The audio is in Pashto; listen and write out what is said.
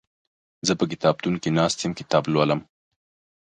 زه په کتابتون کې ناست يم کتاب لولم